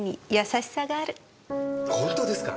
本当ですか？